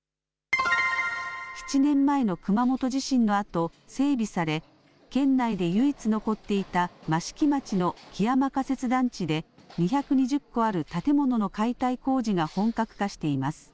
７年前の熊本地震のあと、整備され、県内で唯一残っていた益城町の木山仮設団地で２２０戸ある建物の解体工事が本格化しています。